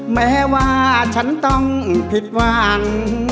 แม้ว่าฉันต้องผิดหวัง